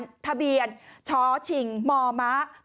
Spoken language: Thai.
ตอนนั้นทะเบียนชอชิงมม๒๒๒๒